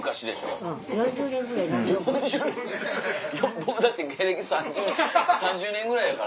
僕だって芸歴３０年ぐらいやから。